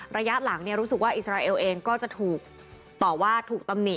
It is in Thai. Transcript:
ระยะหลังรู้สึกว่าอิสราเอลเองก็จะถูกต่อว่าถูกตำหนิ